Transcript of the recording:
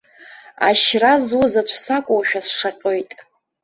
Ашьра зуз аӡә сакәушәа сшаҟьоит.